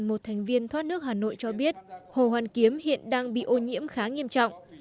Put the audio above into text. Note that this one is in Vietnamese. một thành viên thoát nước hà nội cho biết hồ hoàn kiếm hiện đang bị ô nhiễm khá nghiêm trọng